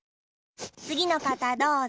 つぎのかたどうぞ。